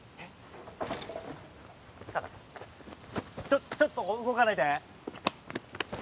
ちょちょっとそこ動かないで！